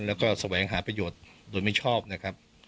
แล้วก็แสวงหาประโยชน์โดยไม่ชอบนะครับ